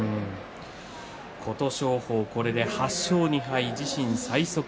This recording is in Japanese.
琴勝峰、これで８勝２敗自身最速。